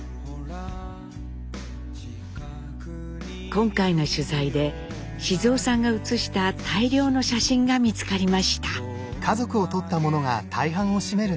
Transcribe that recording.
今回の取材で雄さんが写した大量の写真が見つかりました。